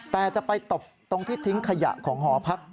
แต่จะไปตบตรงที่ทิ้งขยะของหอพัก